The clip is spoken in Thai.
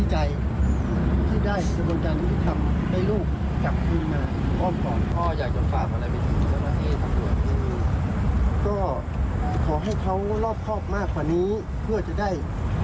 ก็ขอให้เขารอบครอบมากกว่านี้เพื่อจะได้